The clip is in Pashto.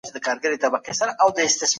ذهني ارامتیا د خلاقیت لامل کیږي.